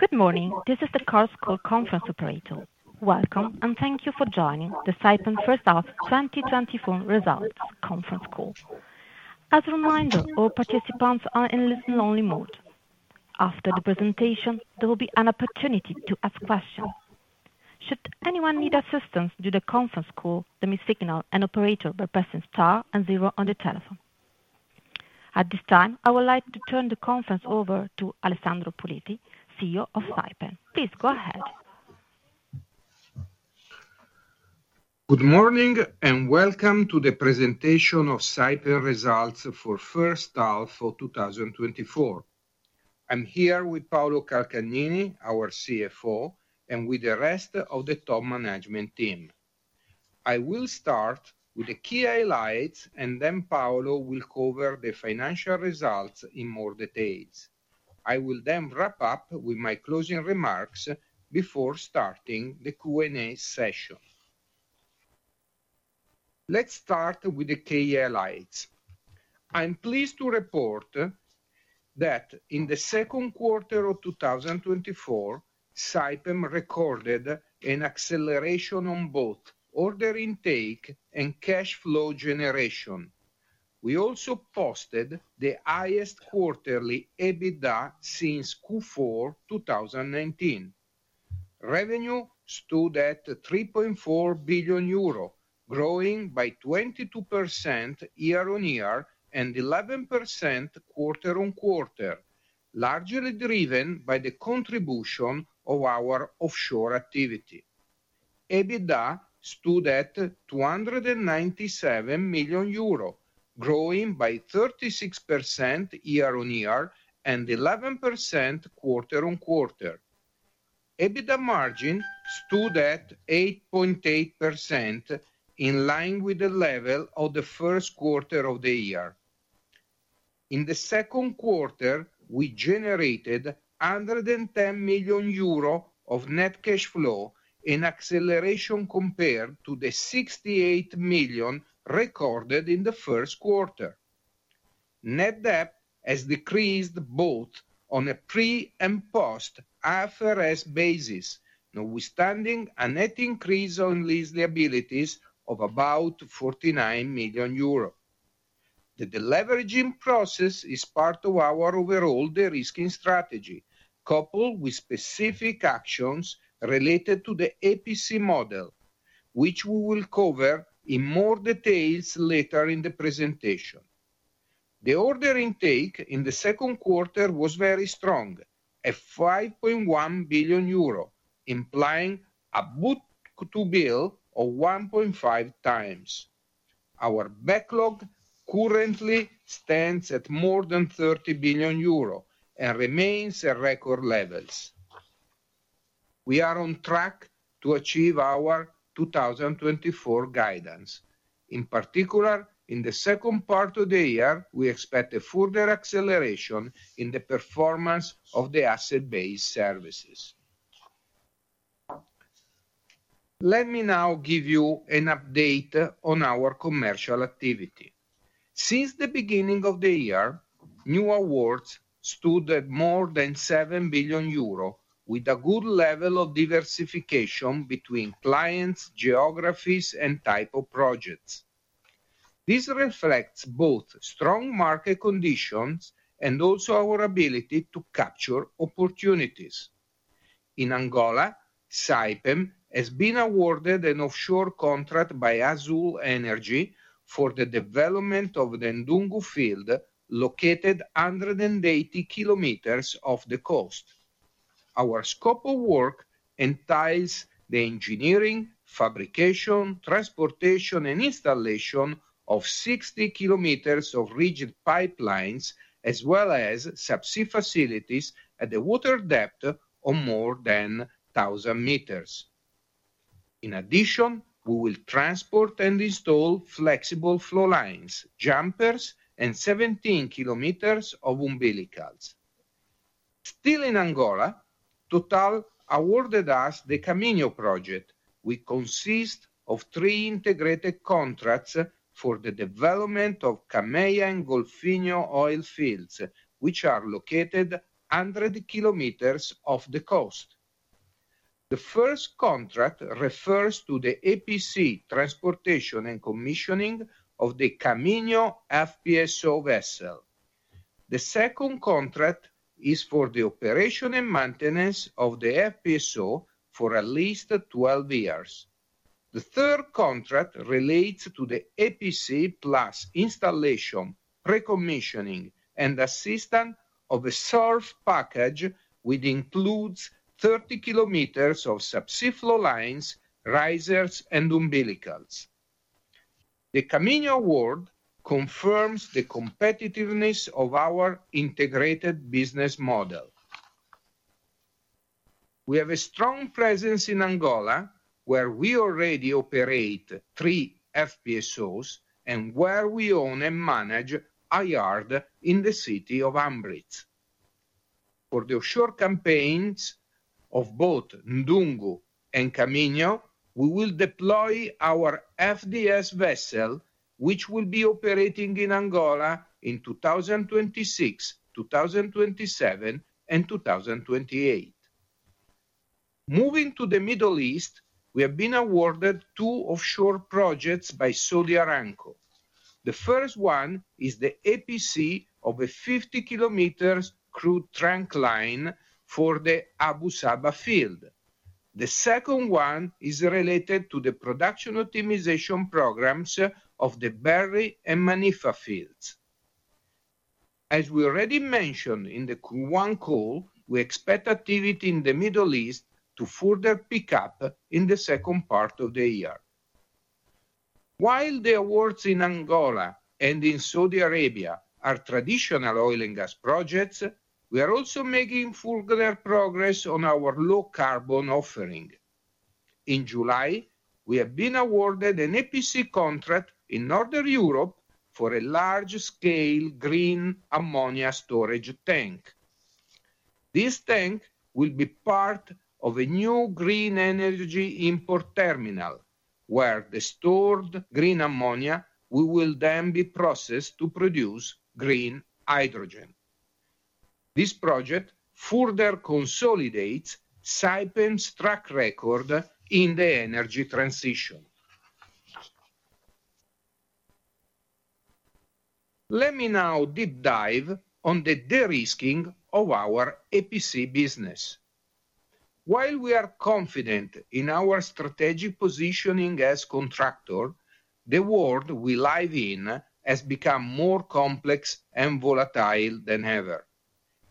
Good morning. This is the Chorus Call Conference operator. Welcome, and thank you for joining the Saipem first half 2024 results conference call. As a reminder, all participants are in listen-only mode. After the presentation, there will be an opportunity to ask questions. Should anyone need assistance during the conference call, then signal an operator by pressing Star and zero on the telephone. At this time, I would like to turn the conference over to Alessandro Puliti, CEO of Saipem. Please go ahead. Good morning, and welcome to the presentation of Saipem results for first half of 2024. I'm here with Paolo Calcagnini, our CFO, and with the rest of the top management team. I will start with the key highlights, and then Paolo will cover the financial results in more details. I will then wrap up with my closing remarks before starting the Q&A session. Let's start with the key highlights. I'm pleased to report that in the second quarter of 2024, Saipem recorded an acceleration on both order intake and cash flow generation. We also posted the highest quarterly EBITDA since Q4 2019. Revenue stood at 3.4 billion euro, growing by 22% year-on-year and 11% quarter-on-quarter, largely driven by the contribution of our offshore activity. EBITDA stood at 297 million euro, growing by 36% year-on-year and 11% quarter-on-quarter. EBITDA margin stood at 8.8%, in line with the level of the first quarter of the year. In the second quarter, we generated 110 million euro of net cash flow, an acceleration compared to the 68 million recorded in the first quarter. Net debt has decreased both on a pre and post IFRS basis, notwithstanding a net increase on lease liabilities of about 49 million euros. The deleveraging process is part of our overall de-risking strategy, coupled with specific actions related to the EPC model, which we will cover in more details later in the presentation. The order intake in the second quarter was very strong, at 5.1 billion euro, implying a book-to-bill of 1.5x. Our backlog currently stands at more than 30 billion euro and remains at record levels. We are on track to achieve our 2024 guidance. In particular, in the second part of the year, we expect a further acceleration in the performance of the asset-based services. Let me now give you an update on our commercial activity. Since the beginning of the year, new awards stood at more than 7 billion euro, with a good level of diversification between clients, geographies, and type of projects. This reflects both strong market conditions and also our ability to capture opportunities. In Angola, Saipem has been awarded an offshore contract by Azule Energy for the development of the Ndungu field, located 180 km off the coast. Our scope of work entails the engineering, fabrication, transportation, and installation of 60 km of rigid pipelines, as well as subsea facilities at a water depth of more than 1,000 m. In addition, we will transport and install flexible flow lines, jumpers, and 17 km of umbilicals. Still in Angola, Total awarded us the Kaminho project, which consists of three integrated contracts for the development of Cameia and Golfinho oil fields, which are located 100 km off the coast. The first contract refers to the EPC, transportation, and commissioning of the Kaminho FPSO vessel. The second contract is for the operation and maintenance of the FPSO for at least 12 years. The third contract relates to the EPC plus installation, pre-commissioning, and assistance of a SURF package, which includes 30 kilometers of subsea flow lines, risers, and umbilicals. The Kaminho award confirms the competitiveness of our integrated business model. We have a strong presence in Angola, where we already operate three FPSOs, and where we own and manage a yard in the city of Ambriz. For the offshore campaigns of both Ndungu and Kaminho, we will deploy our FDS vessel, which will be operating in Angola in 2026, 2027, and 2028. Moving to the Middle East, we have been awarded two offshore projects by Saudi Aramco. The first one is the EPC of a 50 km crude trunk line for the Abu Safah field. The second one is related to the production optimization programs of the Berri and Manifa fields. As we already mentioned in the Q1 call, we expect activity in the Middle East to further pick up in the second part of the year. While the awards in Angola and in Saudi Arabia are traditional oil and gas projects, we are also making further progress on our low-carbon offering. In July, we have been awarded an EPC contract in Northern Europe for a large-scale green ammonia storage tank. This tank will be part of a new green energy import terminal, where the stored green ammonia will then be processed to produce green hydrogen. This project further consolidates Saipem's track record in the energy transition. Let me now deep dive on the de-risking of our EPC business. While we are confident in our strategic positioning as contractor, the world we live in has become more complex and volatile than ever.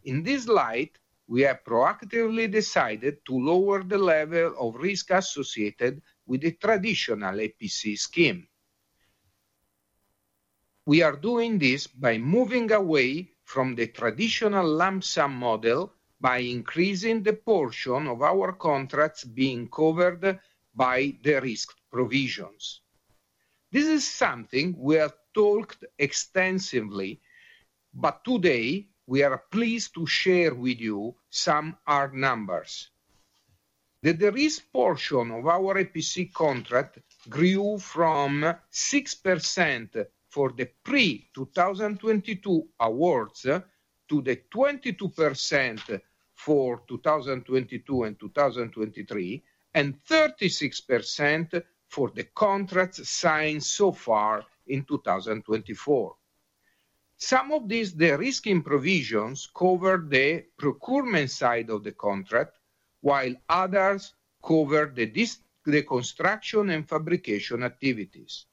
In this light, we have proactively decided to lower the level of risk associated with the traditional EPC scheme. We are doing this by moving away from the traditional lump sum model, by increasing the portion of our contracts being covered by de-risked provisions. This is something we have talked extensively, but today, we are pleased to share with you some hard numbers. The de-risk portion of our EPC contract grew from 6% for the pre-2022 awards, to the 22% for 2022 and 2023, and 36% for the contracts signed so far in 2024. Some of these de-risking provisions cover the procurement side of the contract, while others cover the construction and fabrication activities.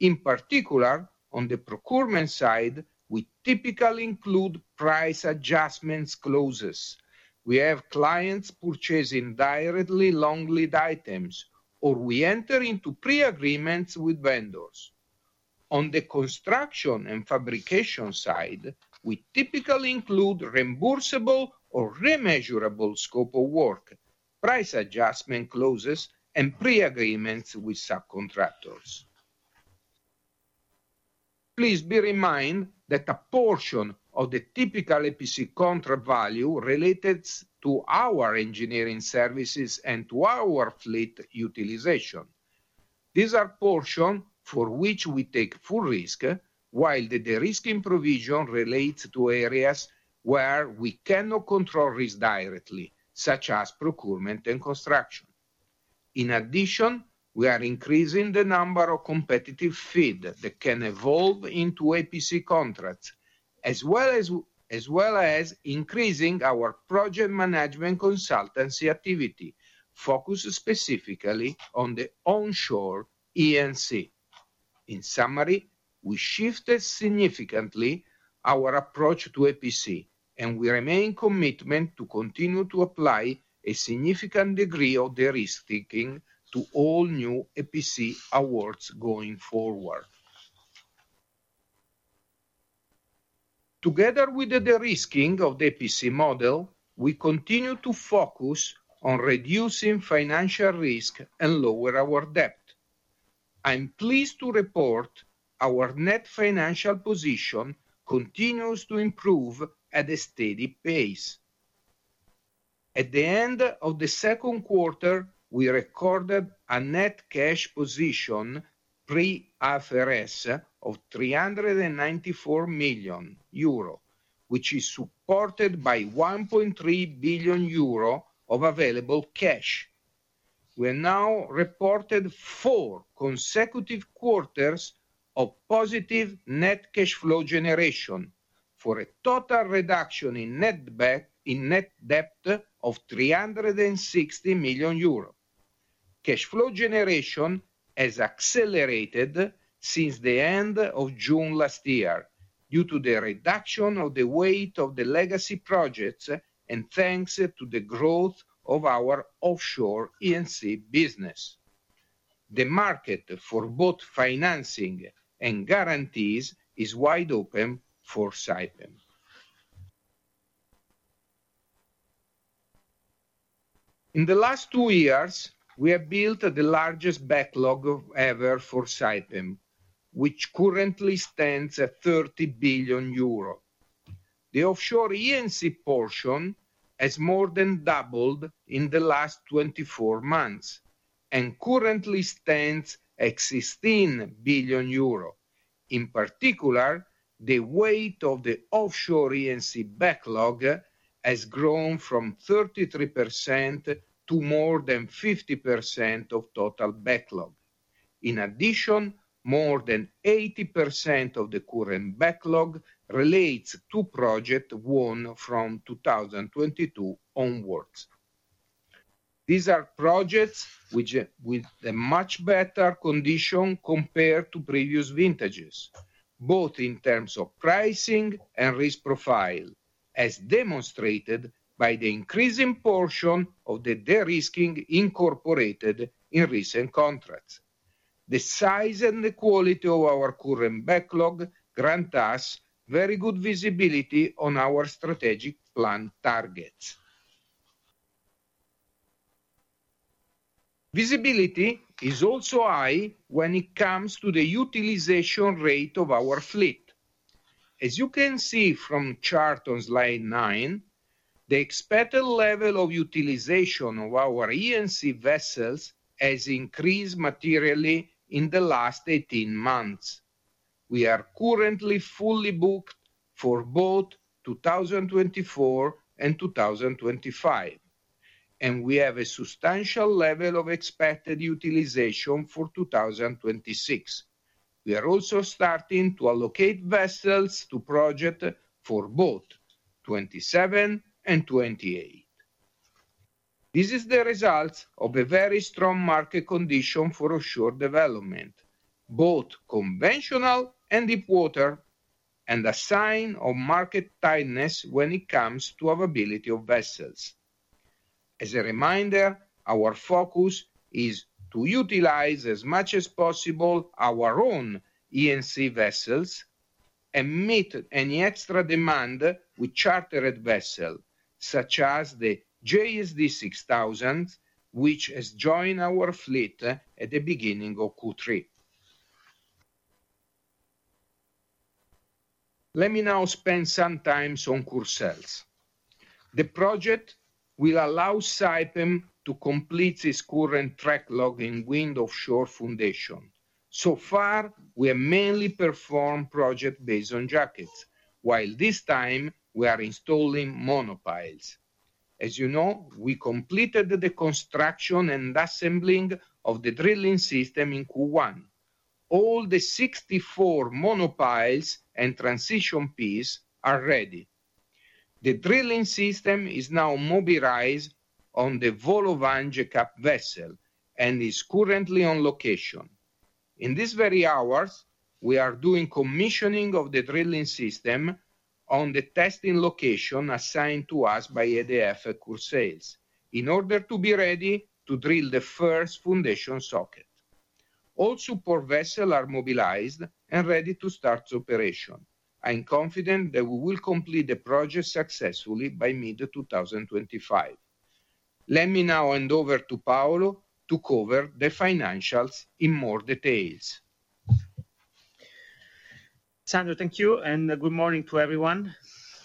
In particular, on the procurement side, we typically include price adjustments clauses. We have clients purchasing directly long-lead items, or we enter into pre-agreements with vendors. On the construction and fabrication side, we typically include reimbursable or remeasurable scope of work, price adjustment clauses, and pre-agreements with subcontractors. Please be reminded that a portion of the typical EPC contract value relates to our engineering services and to our fleet utilization. These are portions for which we take full risk, while the de-risking provision relates to areas where we cannot control risk directly, such as procurement and construction. In addition, we are increasing the number of competitive FEED that can evolve into EPC contracts, as well as increasing our project management consultancy activity, focused specifically on the onshore E&C. In summary, we shifted significantly our approach to EPC, and we remain committed to continue to apply a significant degree of de-risking to all new EPC awards going forward. Together with the de-risking of the EPC model, we continue to focus on reducing financial risk and lower our debt. I'm pleased to report our net financial position continues to improve at a steady pace. At the end of the second quarter, we recorded a net cash position, pre-IFRS, of 394 million euro, which is supported by 1.3 billion euro of available cash. We have now reported 4 consecutive quarters of positive net cash flow generation, for a total reduction in net debt of 360 million euros. Cash flow generation has accelerated since the end of June last year, due to the reduction of the weight of the legacy projects, and thanks to the growth of our offshore E&C business. The market for both financing and guarantees is wide open for Saipem. In the last two years, we have built the largest backlog, ever, for Saipem... which currently stands at 30 billion euro. The offshore E&C portion has more than doubled in the last 24 months, and currently stands at 16 billion euro. In particular, the weight of the offshore E&C backlog has grown from 33% to more than 50% of total backlog. In addition, more than 80% of the current backlog relates to project won from 2022 onwards. These are projects which, with a much better condition compared to previous vintages, both in terms of pricing and risk profile, as demonstrated by the increasing portion of the de-risking incorporated in recent contracts. The size and the quality of our current backlog grant us very good visibility on our strategic plan targets. Visibility is also high when it comes to the utilization rate of our fleet. As you can see from the chart on slide nine, the expected level of utilization of our E&C vessels has increased materially in the last 18 months. We are currently fully booked for both 2024 and 2025, and we have a substantial level of expected utilization for 2026. We are also starting to allocate vessels to projects for both 2027 and 2028. This is the result of a very strong market condition for offshore development, both conventional and deep water, and a sign of market tightness when it comes to availability of vessels. As a reminder, our focus is to utilize as much as possible our own E&C vessels, and meet any extra demand with chartered vessel, such as the JSD 6000, which has joined our fleet at the beginning of Q3. Let me now spend some time on Courseulles-sur-Mer. The project will allow Saipem to complete this current track record in offshore wind foundation. So far, we have mainly performed projects based on jackets, while this time we are installing monopiles. As you know, we completed the construction and assembly of the drilling system in Q1. All the 64 monopiles and transition pieces are ready. The drilling system is now mobilized on the Vole au Vent jackup vessel and is currently on location. In these very hours, we are doing commissioning of the drilling system on the testing location assigned to us by EDF at Courseulles-sur-Mer, in order to be ready to drill the first foundation socket. All support vessels are mobilized and ready to start operations. I'm confident that we will complete the project successfully by mid-2025. Let me now hand over to Paolo to cover the financials in more details. Sandro, thank you, and, good morning to everyone.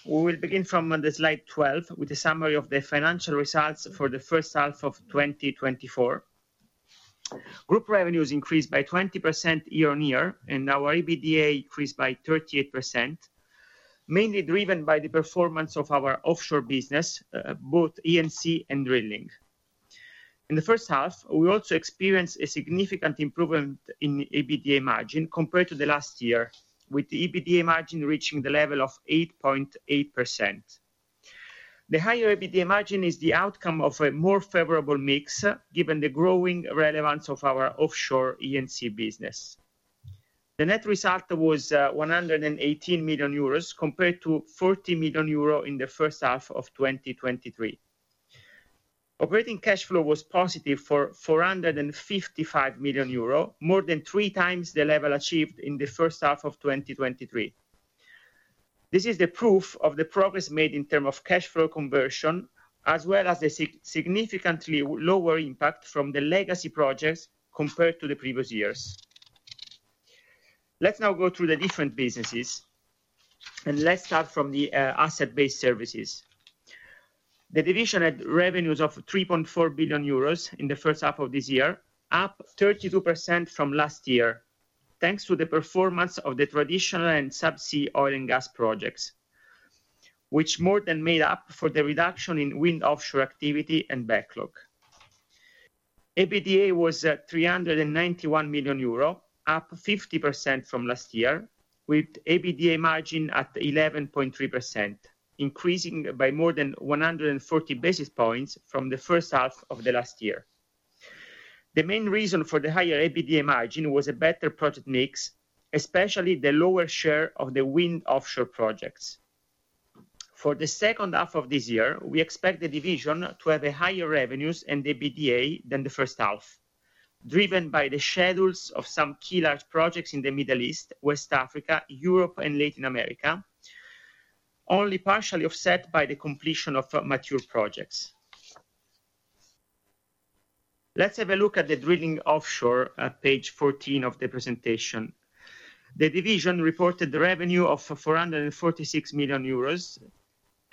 We will begin from the slide 12, with a summary of the financial results for the first half of 2024. Group revenues increased by 20% year-on-year, and our EBITDA increased by 38%, mainly driven by the performance of our offshore business, both E&C and drilling. In the first half, we also experienced a significant improvement in EBITDA margin compared to the last year, with the EBITDA margin reaching the level of 8.8%. The higher EBITDA margin is the outcome of a more favorable mix, given the growing relevance of our offshore E&C business. The net result was, 118 million euros, compared to 40 million euro in the first half of 2023. Operating cash flow was positive for 455 million euro, more than 3x the level achieved in the first half of 2023. This is the proof of the progress made in terms of cash flow conversion, as well as the significantly lower impact from the legacy projects compared to the previous years. Let's now go through the different businesses, and let's start from the asset-based services. The division had revenues of 3.4 billion euros in the first half of this year, up 32% from last year, thanks to the performance of the traditional and subsea oil and gas projects, which more than made up for the reduction in wind offshore activity and backlog. EBITDA was at 391 million euro, up 50% from last year, with EBITDA margin at 11.3%, increasing by more than 140 basis points from the first half of the last year. The main reason for the higher EBITDA margin was a better project mix, especially the lower share of the wind offshore projects. For the second half of this year, we expect the division to have a higher revenues and EBITDA than the first half, driven by the schedules of some key large projects in the Middle East, West Africa, Europe, and Latin America, only partially offset by the completion of mature projects. Let's have a look at the drilling offshore at page 14 of the presentation. The division reported the revenue of 446 million euros,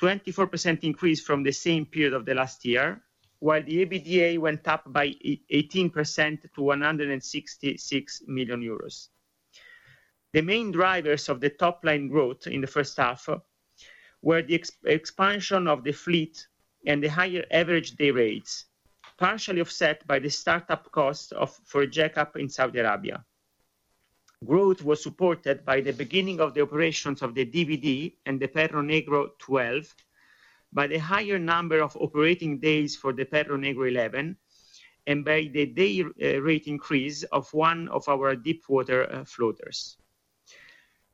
24% increase from the same period of the last year, while the EBITDA went up by 18% to 166 million euros. The main drivers of the top-line growth in the first half were the expansion of the fleet and the higher average day rates, partially offset by the startup cost for a jackup in Saudi Arabia. Growth was supported by the beginning of the operations of the JSD and the Perro Negro 12, by the higher number of operating days for the Perro Negro 11, and by the day rate increase of one of our deepwater floaters.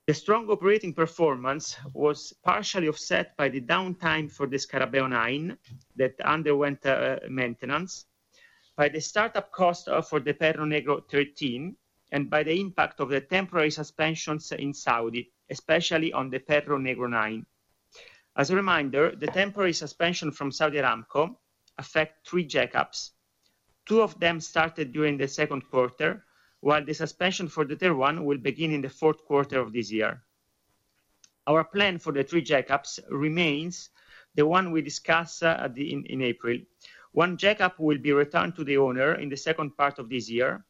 The strong operating performance was partially offset by the downtime for the Scarabeo 9, that underwent maintenance, by the startup cost for the Perro Negro 13, and by the impact of the temporary suspensions in Saudi, especially on the Perro Negro 9. As a reminder, the temporary suspension from Saudi Aramco affect three jackups. Two of them started during the second quarter, while the suspension for the third one will begin in the fourth quarter of this year. Our plan for the three jackups remains the one we discussed in April. One jackup will be returned to the owner in the second part of this year.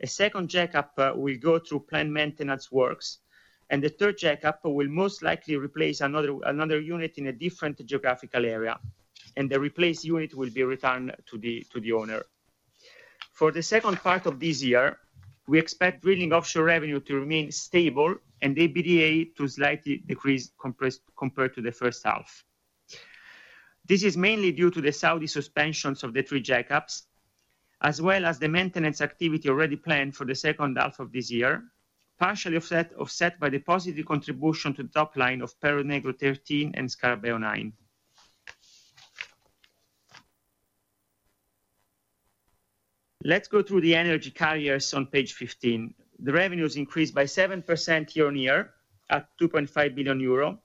A second jackup will go through planned maintenance works, and the third jackup will most likely replace another unit in a different geographical area, and the replaced unit will be returned to the owner. For the second part of this year, we expect drilling offshore revenue to remain stable and EBITDA to slightly decrease compared to the first half. This is mainly due to the Saudi suspensions of the three jackups, as well as the maintenance activity already planned for the second half of this year, partially offset by the positive contribution to the top line of Perro Negro 13 and Scarabeo 9. Let's go through the energy carriers on page 15. The revenues increased by 7% year-on-year, at 2.5 billion euro.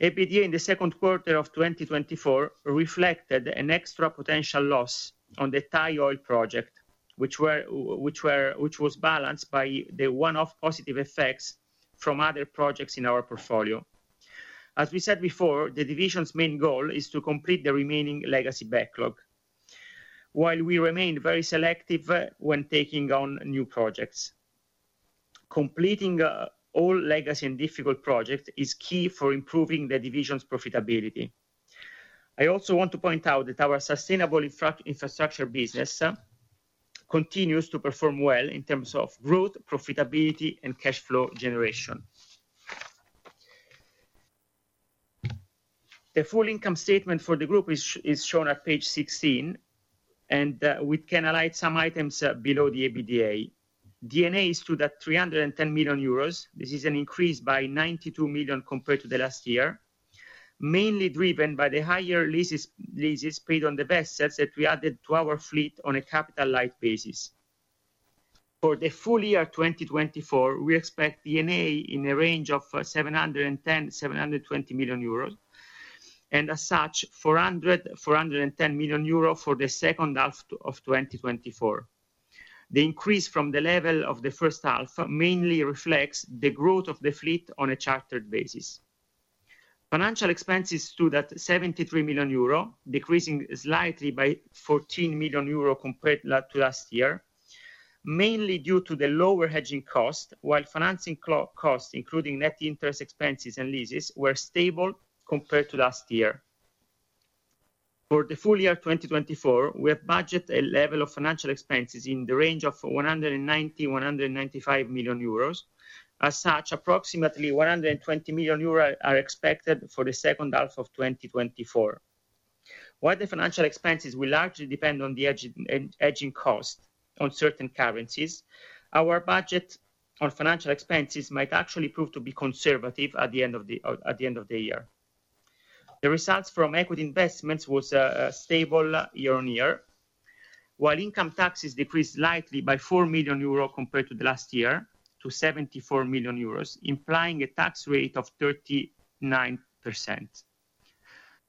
EBITDA in the second quarter of 2024 reflected an extra potential loss on the Thai Oil project, which was balanced by the one-off positive effects from other projects in our portfolio. As we said before, the division's main goal is to complete the remaining legacy backlog, while we remain very selective when taking on new projects. Completing all legacy and difficult projects is key for improving the division's profitability. I also want to point out that our sustainable infrastructure business continues to perform well in terms of growth, profitability, and cash flow generation. The full income statement for the group is shown at page 16, and we can highlight some items below the EBITDA. D&A stood at 310 million euros. This is an increase by 92 million compared to last year, mainly driven by the higher leases paid on the vessels that we added to our fleet on a capital-light basis. For the full year 2024, we expect D&A in a range of 710 million-720 million euros, and as such, 410 million euros for the second half of 2024. The increase from the level of the first half mainly reflects the growth of the fleet on a chartered basis. Financial expenses stood at 73 million euro, decreasing slightly by 14 million euro compared to last year, mainly due to the lower hedging cost, while financing cost, including net interest expenses and leases, were stable compared to last year. For the full year 2024, we have budget a level of financial expenses in the range of 190 million-195 million euros. As such, approximately 120 million euros are expected for the second half of 2024. While the financial expenses will largely depend on the hedging cost on certain currencies, our budget on financial expenses might actually prove to be conservative at the end of the year. The results from equity investments was stable year-on-year, while income taxes decreased slightly by 4 million euro compared to the last year, to 74 million euros, implying a tax rate of 39%.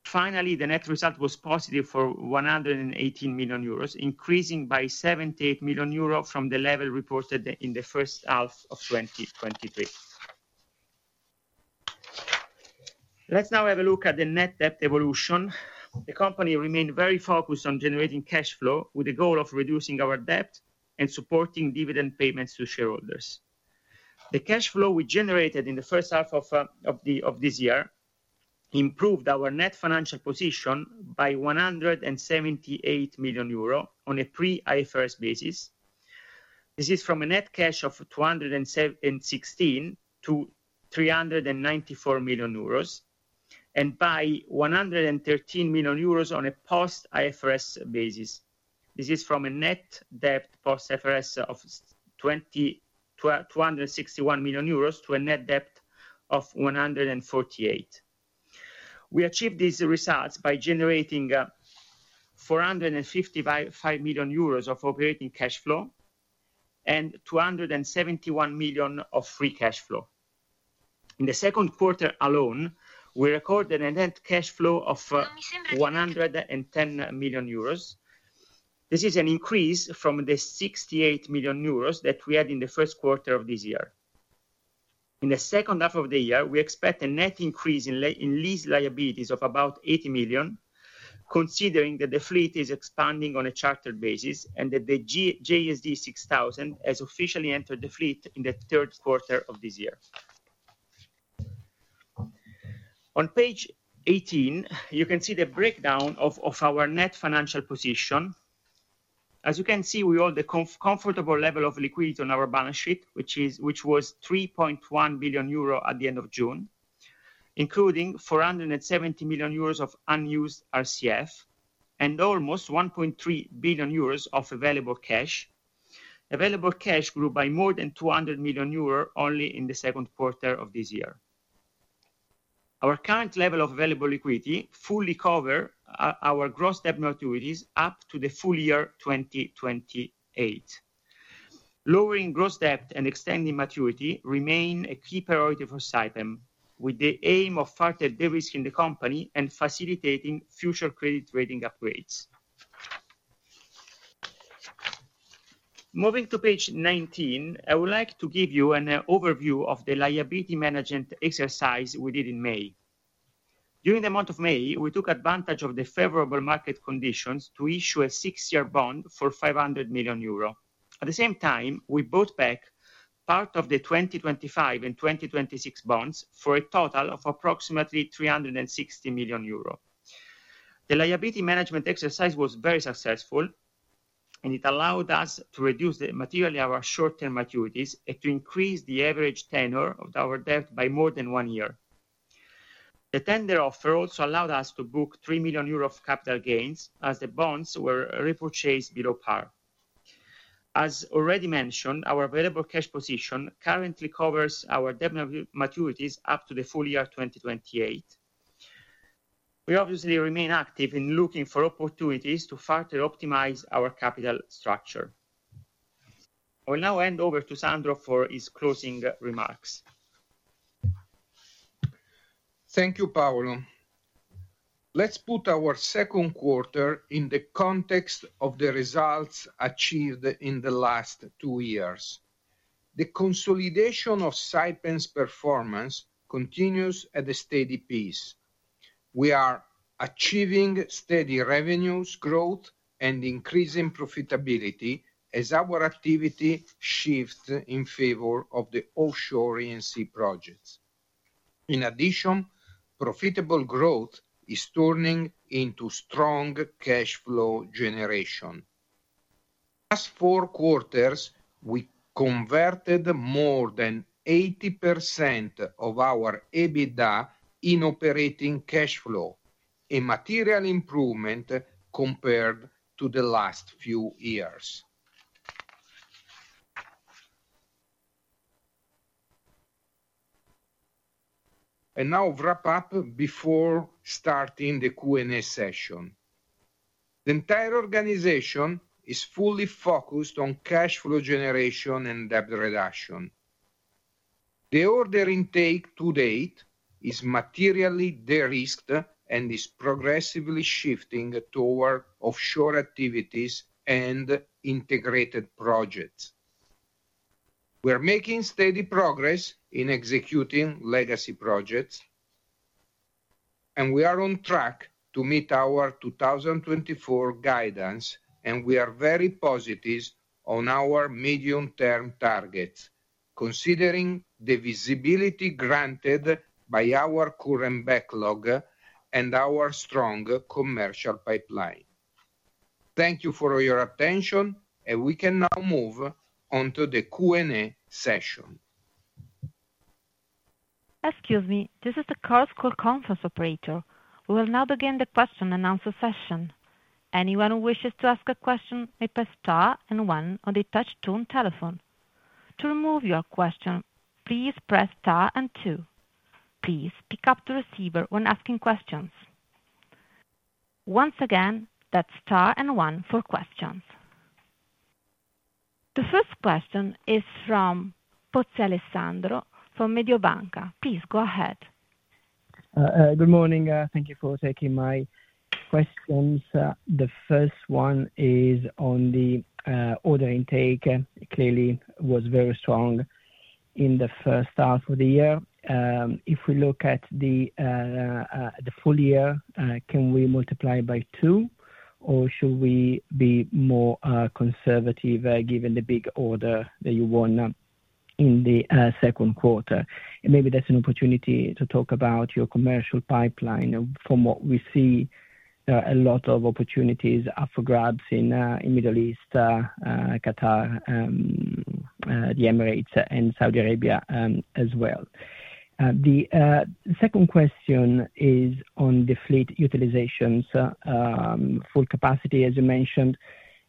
Finally, the net result was positive for 118 million euros, increasing by 78 million euros from the level reported in the first half of 2023. Let's now have a look at the net debt evolution. The company remained very focused on generating cash flow, with the goal of reducing our debt and supporting dividend payments to shareholders. The cash flow we generated in the first half of this year improved our net financial position by 178 million euro on a pre-IFRS basis. This is from a net cash of 216 million to 394 million euros, and by EUR 113 million on a post-IFRS basis. This is from a net debt post IFRS of 261 million euros to a net debt of 148 million. We achieved these results by generating 455 million euros of operating cash flow and 271 million of free cash flow. In the second quarter alone, we recorded a net cash flow of 110 million euros. This is an increase from the 68 million euros that we had in the first quarter of this year. In the second half of the year, we expect a net increase in in lease liabilities of about 80 million, considering that the fleet is expanding on a chartered basis and that the JSD 6000 has officially entered the fleet in the third quarter of this year. On page 18, you can see the breakdown of our net financial position. As you can see, we hold a comfortable level of liquidity on our balance sheet, which was 3.1 billion euro at the end of June, including 470 million euros of unused RCF and almost 1.3 billion euros of available cash. Available cash grew by more than 200 million euro only in the second quarter of this year. Our current level of available liquidity fully covers our gross debt maturities up to the full year 2028. Lowering gross debt and extending maturity remain a key priority for Saipem, with the aim of further de-risking the company and facilitating future credit rating upgrades. Moving to page 19, I would like to give you an overview of the liability management exercise we did in May. During the month of May, we took advantage of the favorable market conditions to issue a six-year bond for 500 million euro. At the same time, we bought back part of the 2025 and 2026 bonds for a total of approximately 360 million euro. The liability management exercise was very successful, and it allowed us to reduce materially our short-term maturities and to increase the average tenure of our debt by more than one year. The tender offer also allowed us to book 3 million euros of capital gains, as the bonds were repurchased below par. As already mentioned, our available cash position currently covers our debt maturities up to the full year 2028. We obviously remain active in looking for opportunities to further optimize our capital structure. I will now hand over to Sandro for his closing remarks. Thank you, Paolo. Let's put our second quarter in the context of the results achieved in the last two years. The consolidation of Saipem's performance continues at a steady pace. We are achieving steady revenues, growth, and increasing profitability as our activity shifts in favor of the offshore E&C projects. In addition, profitable growth is turning into strong cash flow generation. Last four quarters, we converted more than 80% of our EBITDA in operating cash flow, a material improvement compared to the last few years. And now I'll wrap up before starting the Q&A session. The entire organization is fully focused on cash flow generation and debt reduction. The order intake to date is materially de-risked and is progressively shifting toward offshore activities and integrated projects. We're making steady progress in executing legacy projects, and we are on track to meet our 2024 guidance, and we are very positive on our medium-term targets, considering the visibility granted by our current backlog and our strong commercial pipeline. Thank you for your attention, and we can now move on to the Q&A session. Excuse me, this is the Chorus Call conference operator. We will now begin the question-and-answer session. Anyone who wishes to ask a question may press star and one on the touch tone telephone. To remove your question, please press star and two. Please pick up the receiver when asking questions. Once again, that's star and one for questions. The first question is from Alessandro Pozzi from Mediobanca. Please go ahead. Good morning. Thank you for taking my questions. The first one is on the order intake. Clearly, was very strong in the first half of the year. If we look at the full year, can we multiply by two, or should we be more conservative, given the big order that you won in the second quarter? And maybe that's an opportunity to talk about your commercial pipeline. From what we see, a lot of opportunities up for grabs in the Middle East, Qatar, the Emirates and Saudi Arabia, as well. The second question is on the fleet utilizations, full capacity, as you mentioned.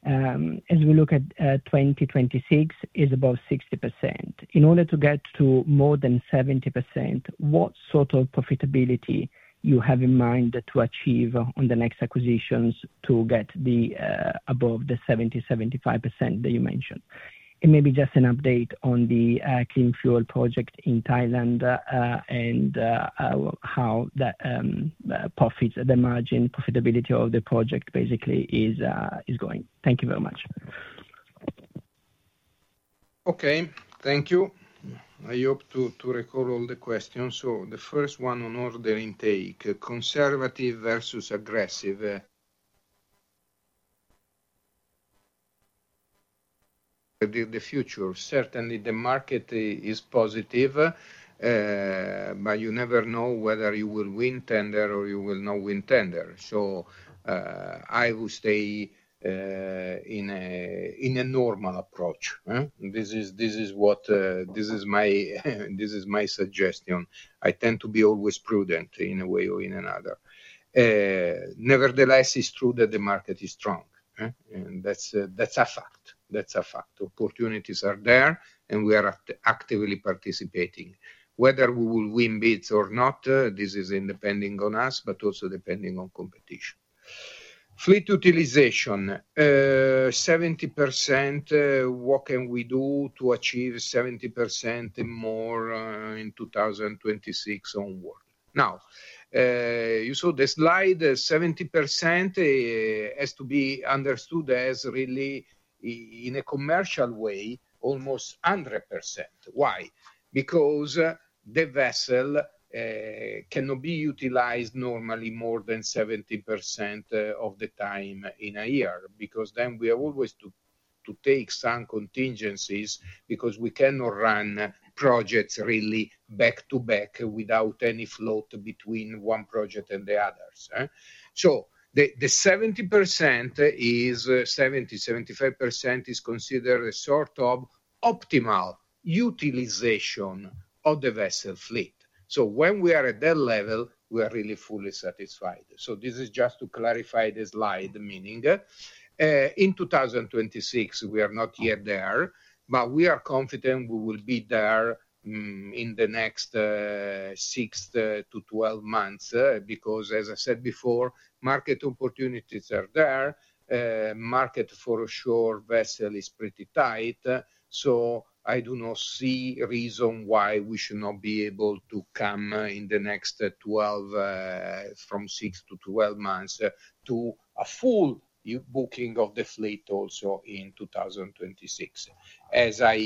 As we look at 2026 is above 60%. In order to get to more than 70%, what sort of profitability you have in mind to achieve on the next acquisitions to get the above the 70, 75% that you mentioned? And maybe just an update on the clean fuel project in Thailand, and how that profits, the margin profitability of the project basically is going. Thank you very much. Okay, thank you. I hope to recall all the questions. So the first one on order intake, conservative versus aggressive, the future. Certainly, the market is positive, but you never know whether you will win tender or you will not win tender. So, I will stay in a normal approach, eh? This is what this is my suggestion. I tend to be always prudent in a way or in another. Nevertheless, it's true that the market is strong, eh? And that's a fact. That's a fact. Opportunities are there, and we are actively participating. Whether we will win bids or not, this is depending on us, but also depending on competition. Fleet utilization. 70%, what can we do to achieve 70% and more in 2026 onward? Now, you saw the slide, 70% has to be understood as really in a commercial way, almost 100%. Why? Because the vessel cannot be utilized normally more than 70% of the time in a year, because then we are always to take some contingencies, because we cannot run projects really back-to-back without any float between one project and the others. So the 70% is... 70-75% is considered a sort of optimal utilization of the vessel fleet. So when we are at that level, we are really fully satisfied. So this is just to clarify the slide meaning. In 2026, we are not yet there, but we are confident we will be there in the next 6-12 months, because, as I said before, market opportunities are there. Market, for sure, vessel is pretty tight, so I do not see a reason why we should not be able to come in the next 12, from 6-12 months, to a full booking of the fleet also in 2026. As I,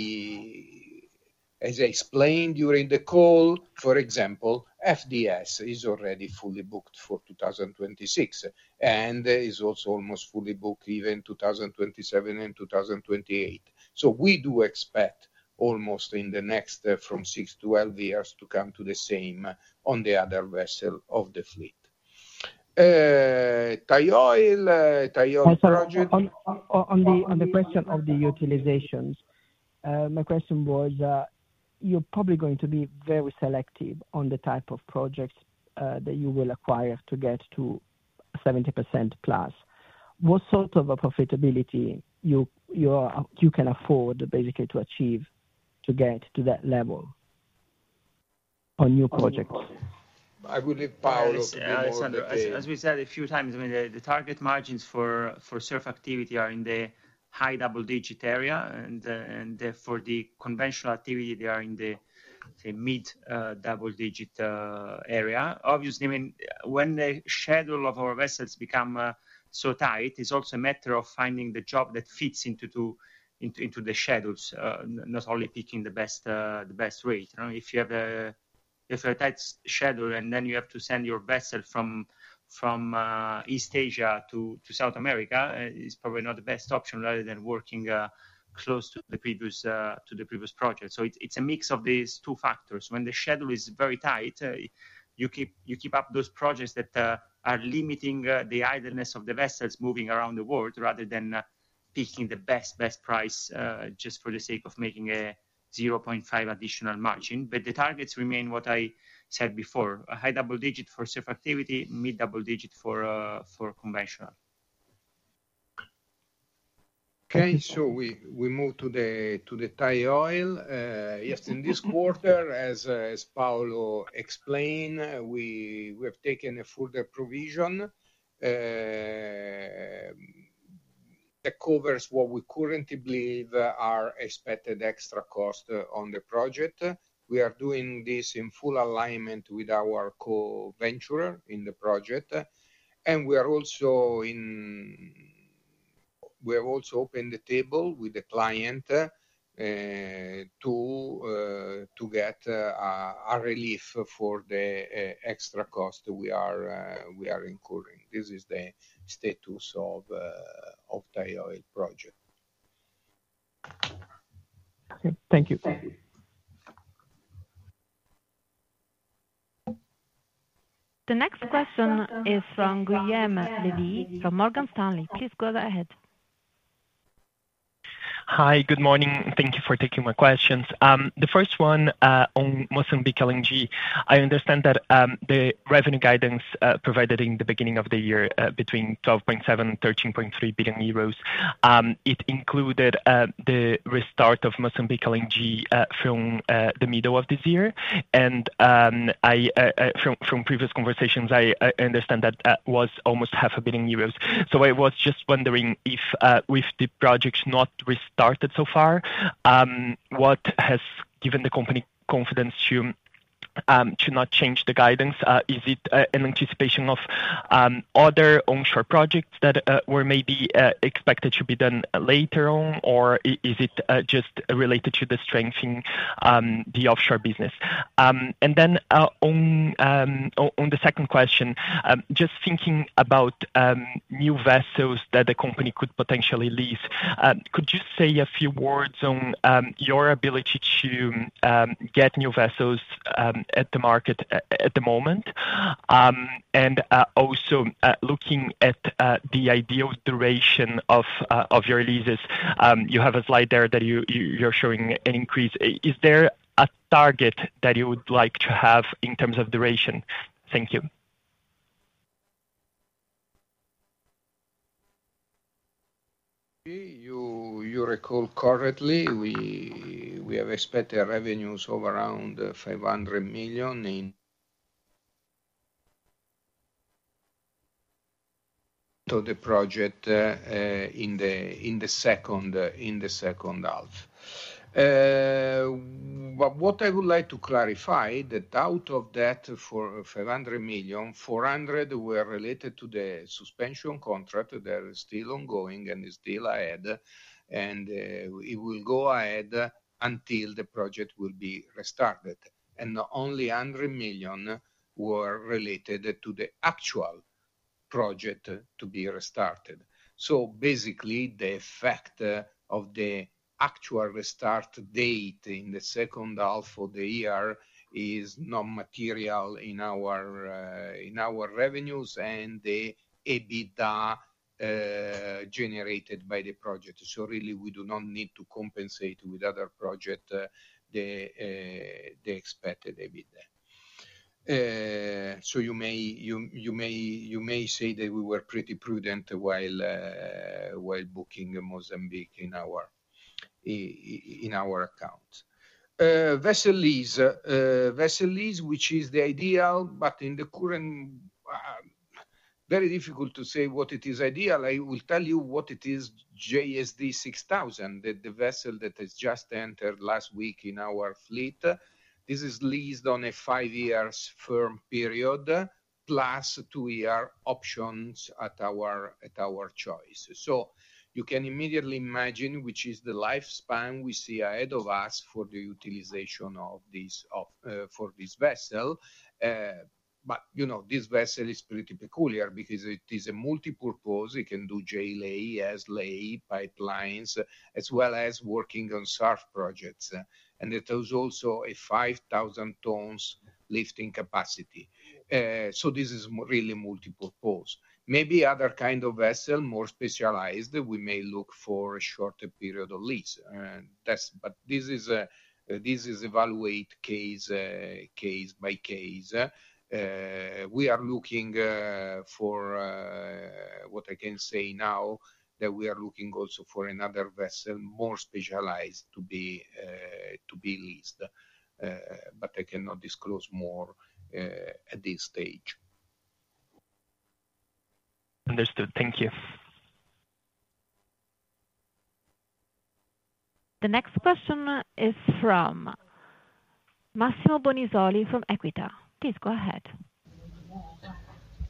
as I explained during the call, for example, FDS is already fully booked for 2026, and is also almost fully booked even in 2027 and 2028. So we do expect almost in the next, from 6-12 years to come to the same on the other vessel of the fleet. Thai Oil project- Sorry, on the question of the utilizations, my question was, you're probably going to be very selective on the type of projects that you will acquire to get to 70+%. What sort of a profitability you can afford basically to achieve to get to that level on new projects? I will leave Paolo a bit more with the- Alessandro, as we said a few times, I mean, the target margins for SURF activity are in the high double digit area, and for the conventional activity, they are in the, say, mid double digit area. Obviously, I mean, when the schedule of our vessels become so tight, it's also a matter of finding the job that fits into the schedules, not only picking the best rate, you know? If you have a tight schedule, and then you have to send your vessel from East Asia to South America, it's probably not the best option, rather than working close to the previous project. So it's a mix of these two factors. When the schedule is very tight, you keep, you keep up those projects that are limiting the idleness of the vessels moving around the world, rather than picking the best, best price just for the sake of making a 0.5 additional margin. But the targets remain what I said before, a high double digit for SURF activity, mid-double digit for conventional. Okay, so we move to the Thai Oil. Yes, in this quarter, as Paolo explained, we have taken a further provision that covers what we currently believe are expected extra cost on the project. We are doing this in full alignment with our co-venture in the project, and we are also in. We have also opened the table with the client to get a relief for the extra cost we are incurring. This is the status of Thai Oil project. Okay. Thank you. Thank you. The next question is from Guilherme Levy, from Morgan Stanley. Please go ahead. Hi, good morning, and thank you for taking my questions. The first one, on Mozambique LNG. I understand that the revenue guidance provided in the beginning of the year, between 12.7 billion and 13.3 billion euros, included the restart of Mozambique LNG from the middle of this year. And from previous conversations, I understand that that was almost 500 million euros. So I was just wondering if, with the projects not restarted so far, what has given the company confidence to not change the guidance, is it an anticipation of other onshore projects that were maybe expected to be done later on, or is it just related to the strength in the offshore business? And then, on the second question, just thinking about new vessels that the company could potentially lease, could you say a few words on your ability to get new vessels at the market at the moment? And also, looking at the ideal duration of your leases, you have a slide there that you're showing an increase. Is there a target that you would like to have in terms of duration? Thank you. You recall correctly, we have expected revenues of around 500 million into the project in the second half. But what I would like to clarify, that out of that 450 million, 400 were related to the suspension contract that is still ongoing and is still ahead, and it will go ahead until the project will be restarted. And only 100 million were related to the actual project to be restarted. So basically, the effect of the actual restart date in the second half of the year is not material in our revenues and the EBITDA generated by the project. So really, we do not need to compensate with other project the expected EBITDA. So you may say that we were pretty prudent while booking Mozambique in our account. Vessel lease, which is the ideal, but in the current... Very difficult to say what it is ideal. I will tell you what it is JSD 6000, the vessel that has just entered last week in our fleet. This is leased on a 5-year firm period, plus two-year options at our choice. So you can immediately imagine, which is the lifespan we see ahead of us for the utilization of this for this vessel. But, you know, this vessel is pretty peculiar because it is a multipurpose. It can do J-lay, S-lay, pipelines, as well as working on SURF projects. And it has also a 5,000-ton lifting capacity. So this is really multi-purpose. Maybe other kind of vessel, more specialized, we may look for a shorter period of lease. That's... But this is evaluated case by case. We are looking for... What I can say now, that we are looking also for another vessel, more specialized, to be leased, but I cannot disclose more at this stage. Understood. Thank you. The next question is from Massimo Bonisoli from Equita. Please go ahead.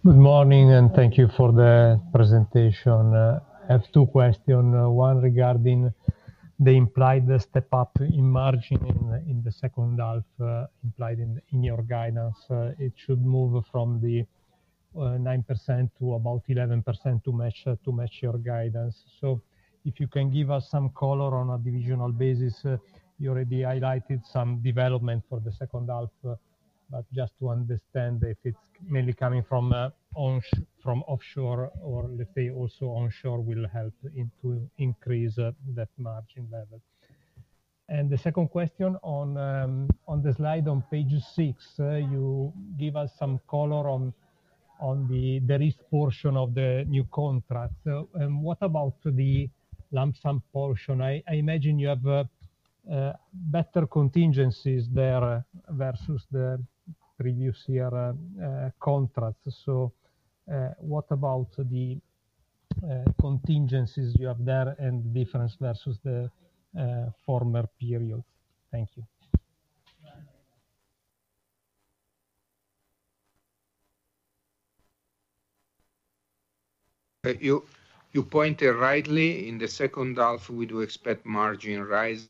Good morning, and thank you for the presentation. I have two questions. One regarding the implied step-up in margin in the second half, implied in your guidance. It should move from the 9% to about 11% to match your guidance. So if you can give us some color on a divisional basis. You already highlighted some development for the second half, but just to understand if it's mainly coming from onshore or from offshore or if also the onshore will help to increase that margin level. And the second question, on the slide on page six, you give us some color on the risk portion of the new contract. So, and what about the lump sum portion? I imagine you have a better contingencies there versus the previous year contract. So, what about the contingencies you have there and difference versus the former period? Thank you. You pointed rightly, in the second half, we do expect margin rise...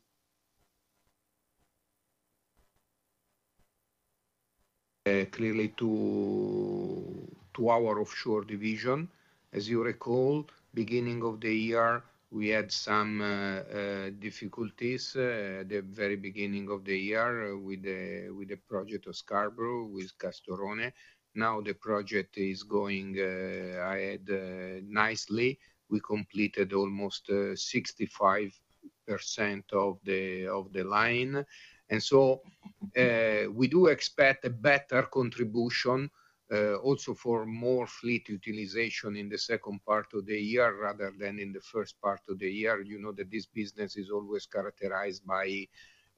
clearly to our offshore division. As you recall, beginning of the year, we had some difficulties, the very beginning of the year, with the project Scarborough, with Castorone. Now, the project is going ahead nicely. We completed almost 65% of the line. And so, we do expect a better contribution, also for more fleet utilization in the second part of the year, rather than in the first part of the year. You know that this business is always characterized by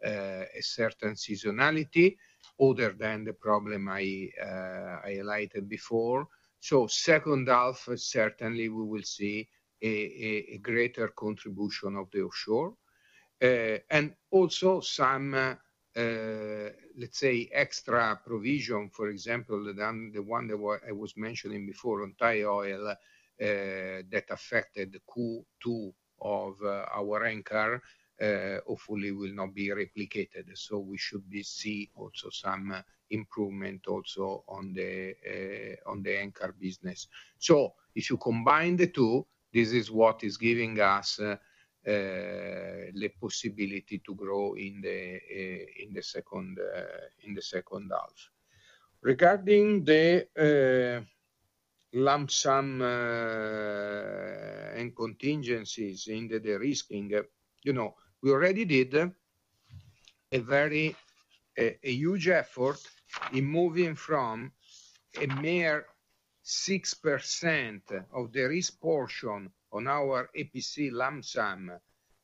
a certain seasonality, other than the problem I highlighted before. So second half, certainly we will see a greater contribution of the offshore.... and also some, let's say, extra provision, for example, the one that I was mentioning before on Thai Oil, that affected the Q2 of our onshore, hopefully will not be replicated. So we should be see also some improvement also on the onshore business. So if you combine the two, this is what is giving us the possibility to grow in the second half. Regarding the lump sum and contingencies in the de-risking, you know, we already did a very huge effort in moving from a mere 6% of the risk portion on our EPC lump sum,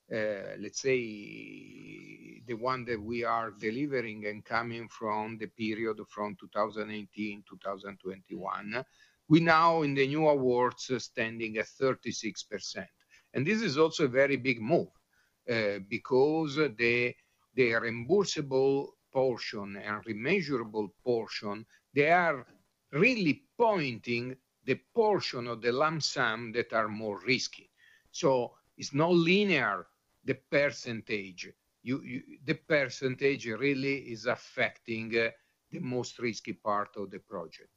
let's say, the one that we are delivering and coming from the period from 2018-2021. We now, in the new awards, are standing at 36%, and this is also a very big move, because the reimbursable portion and remeasurable portion, they are really pointing the portion of the lump sum that are more risky. So it's not linear, the percentage. The percentage really is affecting the most risky part of the project.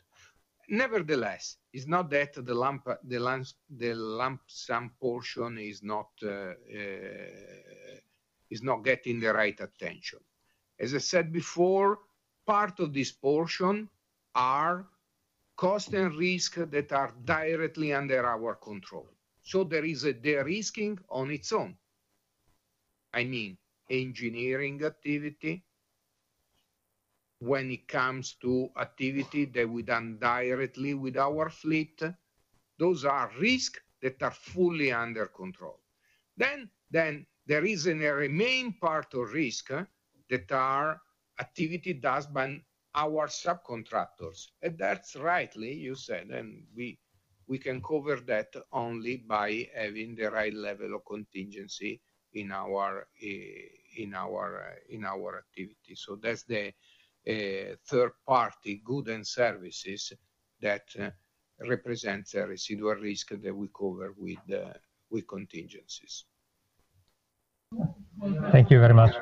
Nevertheless, it's not that the lump sum portion is not getting the right attention. As I said before, part of this portion are cost and risk that are directly under our control, so there is a de-risking on its own. I mean, engineering activity, when it comes to activity that we done directly with our fleet, those are risks that are fully under control. Then there is a remaining part of risk that our activity does by our subcontractors, and that's rightly, you said, and we can cover that only by having the right level of contingency in our activity. So that's the third party goods and services that represents a residual risk that we cover with the contingencies. Thank you very much.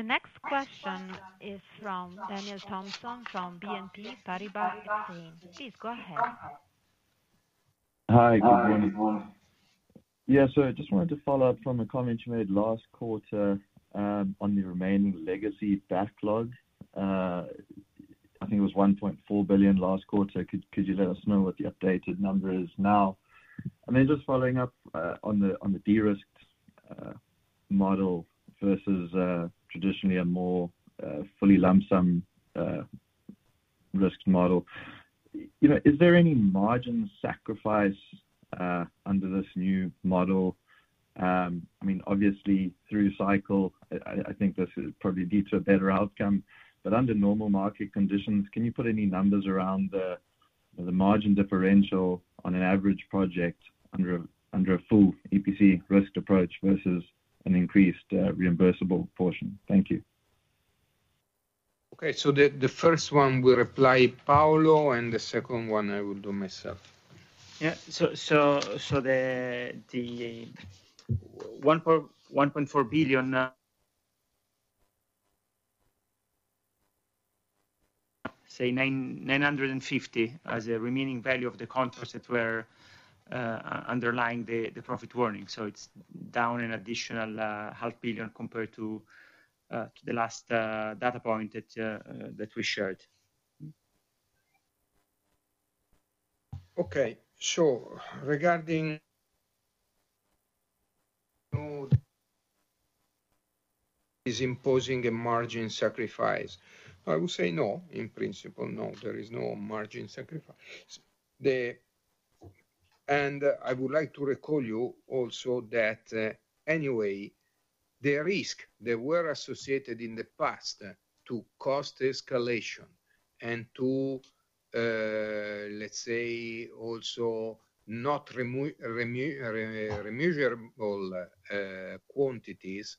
The next question is from Daniel Thompson, from BNP Paribas Exane. Please go ahead. Hi. Good morning. Yeah. So I just wanted to follow up from a comment you made last quarter, on the remaining legacy backlog. I think it was 1.4 billion last quarter. Could you let us know what the updated number is now? And then just following up, on the de-risked model versus traditionally a more fully lump sum risk model, you know, is there any margin sacrifice under this new model? I mean, obviously, through cycle, I think this probably leads to a better outcome. But under normal market conditions, can you put any numbers around the margin differential on an average project under a full EPC risk approach versus an increased reimbursable portion? Thank you. Okay. So the first one will reply, Paolo, and the second one I will do myself. Yeah. So the 1.4 billion, 950 million as a remaining value of the contracts that were underlying the profit warning. So it's down an additional 0.5 billion compared to the last data point that we shared. Okay. So regarding... no, is imposing a margin sacrifice, I would say no. In principle, no, there is no margin sacrifice. The. And I would like to recall you also that, anyway, the risk that were associated in the past to cost escalation and to, let's say, also not remeasurable, quantities,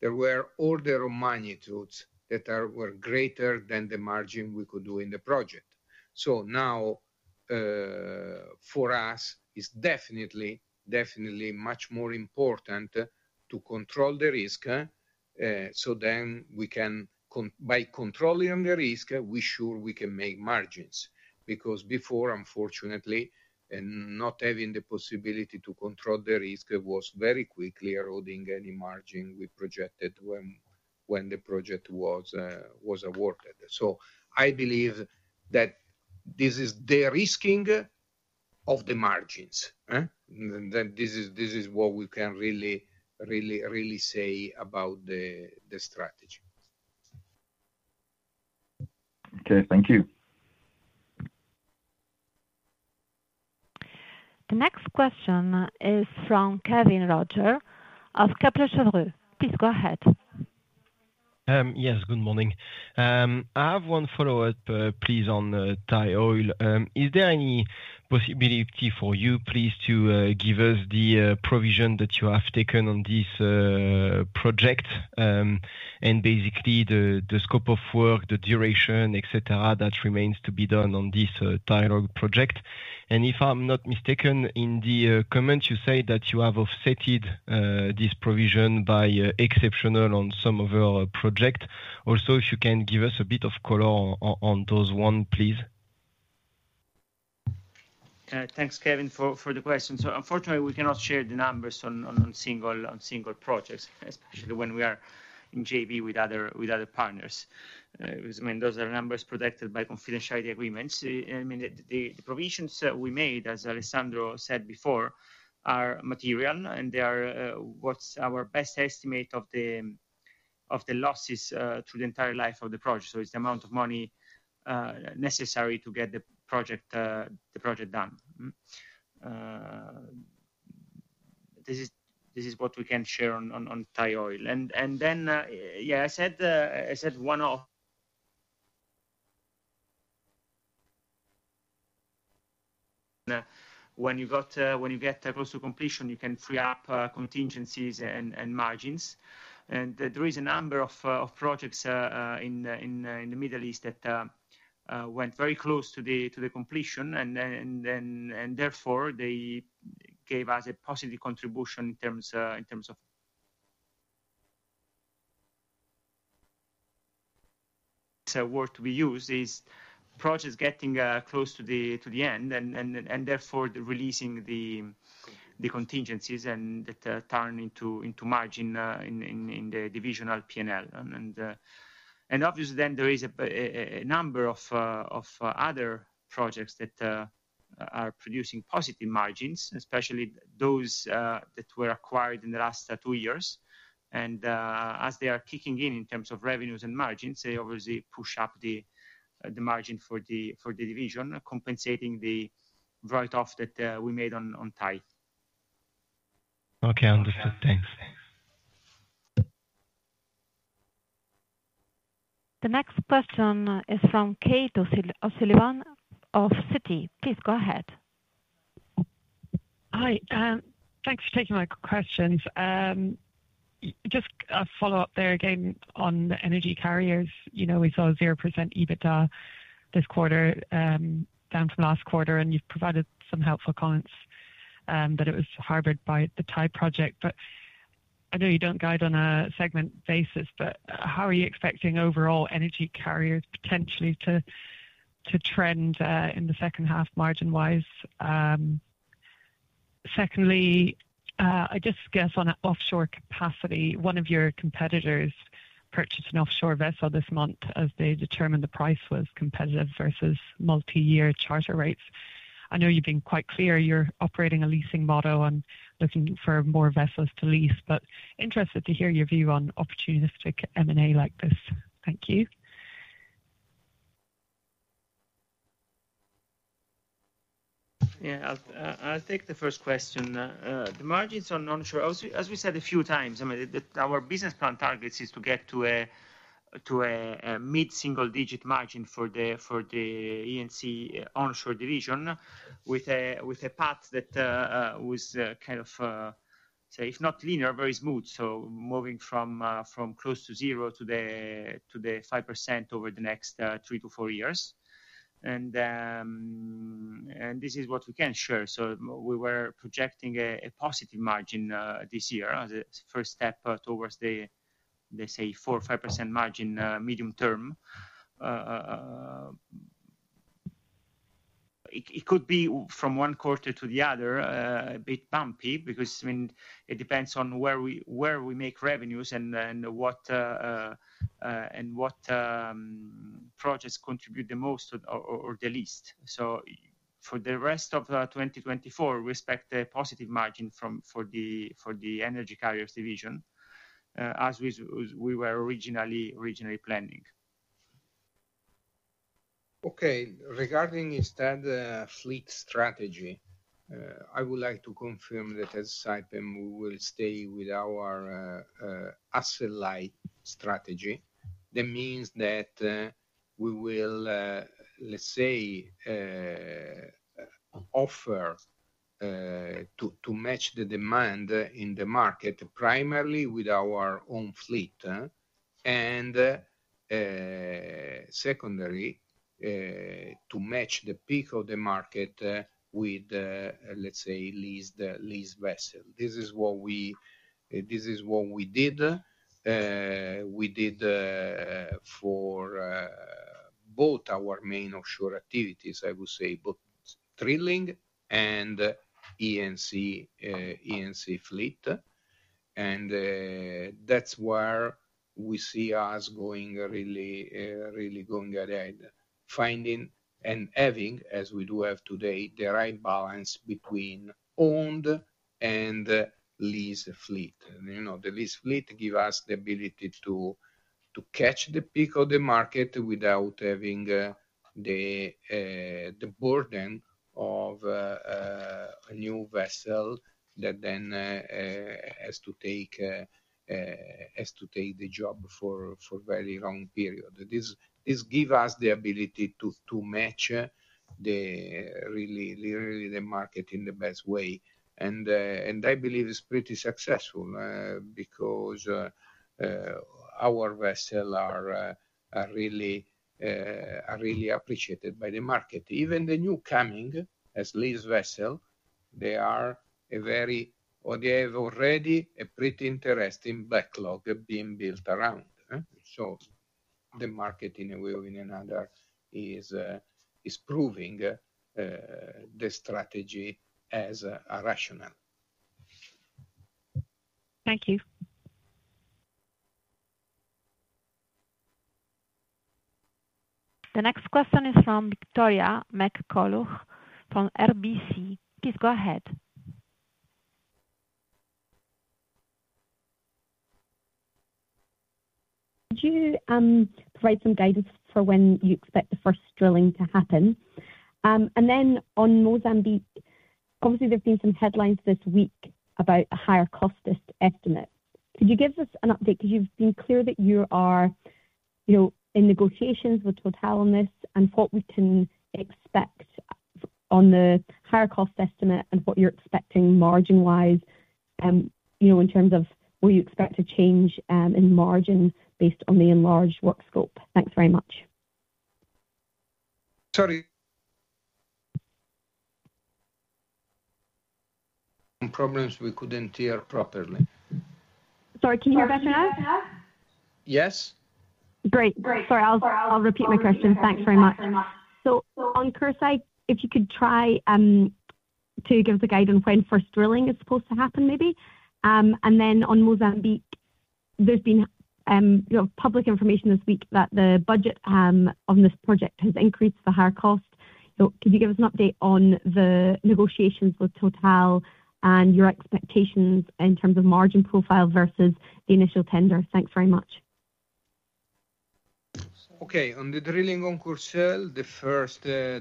there were order of magnitudes that are, were greater than the margin we could do in the project. So now, for us, it's definitely, definitely much more important to control the risk, so then we can by controlling the risk, we sure we can make margins. Because before, unfortunately, and not having the possibility to control the risk, it was very quickly eroding any margin we projected when the project was, was awarded. So I believe that this is de-risking of the margins, eh? This is what we can really, really, really say about the strategy. Okay. Thank you. The next question is from Kevin Roger of Kepler Cheuvreux. Please go ahead. Yes, good morning. I have one follow-up, please, on Thai Oil. Is there any possibility for you, please, to give us the provision that you have taken on this project? Basically, the scope of work, the duration, et cetera, that remains to be done on this Thai Oil project. And if I'm not mistaken, in the comments, you say that you have offset this provision by exceptionals on some of your projects. Also, if you can give us a bit of color on those ones, please. Thanks, Kevin, for the question. So unfortunately, we cannot share the numbers on single projects, especially when we are in JV with other partners. Because, I mean, those are numbers protected by confidentiality agreements. I mean, the provisions we made, as Alessandro said before, are material, and they are what's our best estimate of the losses through the entire life of the project. So it's the amount of money necessary to get the project done. Mm-hmm. This is what we can share on Thai Oil. And then, yeah, I said one of... When you get close to completion, you can free up contingencies and margins. And there is a number of projects in the Middle East that went very close to the completion, and then, and therefore, they gave us a positive contribution in terms of... So word we use is projects getting close to the end, and therefore releasing the contingencies and that turn into margin in the divisional P&L. And obviously, then, there is a number of other projects that are producing positive margins, especially those that were acquired in the last two years. As they are kicking in, in terms of revenues and margins, they obviously push up the margin for the division, compensating the write-off that we made on Thai. Okay, understood. Thanks. The next question is from Kate O'Sullivan of Citi. Please go ahead. Hi, thanks for taking my questions. Just a follow-up there, again, on the energy carriers. You know, we saw 0% EBITDA this quarter, down from last quarter, and you've provided some helpful comments that it was hampered by the Thai project. But I know you don't guide on a segment basis, but how are you expecting overall energy carriers potentially to trend in the second half, margin-wise? Secondly, I just guess on an offshore capacity, one of your competitors purchased an offshore vessel this month, as they determined the price was competitive versus multi-year charter rates. I know you've been quite clear you're operating a leasing model and looking for more vessels to lease, but interested to hear your view on opportunistic M&A like this. Thank you. Yeah. I'll take the first question. The margins on onshore, as we said a few times, I mean, our business plan targets is to get to a mid-single-digit margin for the E&C onshore division, with a path that was kind of say, if not linear, very smooth. Moving from close to zero to the 5% over the next 3-4 years. This is what we can share. We were projecting a positive margin this year, as a first step towards the, let's say, 4% or 5% margin medium term. It could be, from one quarter to the other, a bit bumpy because, I mean, it depends on where we make revenues and then what projects contribute the most or the least. So for the rest of 2024, we expect a positive margin for the energy carriers division, as we were originally planning. Okay. Regarding instead, fleet strategy, I would like to confirm that as Saipem, we will stay with our, asset light strategy. That means that, we will, let's say, offer, to match the demand in the market, primarily with our own fleet, and, secondly, to match the peak of the market, with the, let's say, leased, leased vessel. This is what we, this is what we did. We did, for both our main offshore activities, I would say both drilling and E&C, E&C fleet. And, that's where we see us going really, really going ahead, finding and having, as we do have today, the right balance between owned and leased fleet. You know, the leased fleet give us the ability to, to catch the peak of the market without having... The burden of a new vessel that then has to take the job for very long period. This give us the ability to match really the market in the best way. And I believe it's pretty successful because our vessel are really appreciated by the market. Even the new coming as lease vessel, they are a very or they have already a pretty interesting backlog being built around, so the market, in a way or in another, is proving the strategy as a rational. Thank you. The next question is from Victoria McCulloch from RBC. Please go ahead. Could you provide some guidance for when you expect the first drilling to happen? And then on Mozambique, obviously, there have been some headlines this week about a higher cost estimate. Could you give us an update? Because you've been clear that you are, you know, in negotiations with Total on this and what we can expect on the higher cost estimate and what you're expecting margin-wise, you know, in terms of will you expect a change in margin based on the enlarged work scope? Thanks very much. Sorry. Some problems we couldn't hear properly. Sorry, can you hear better now? Yes. Great, great. Sorry, I'll repeat my question. Thank you very much. So on Courseulles, if you could try to give the guidance when first drilling is supposed to happen, maybe. And then on Mozambique, there's been, you know, public information this week that the budget on this project has increased to higher cost. So could you give us an update on the negotiations with Total and your expectations in terms of margin profile versus the initial tender? Thanks very much. Okay. On the drilling on Courseulles, the first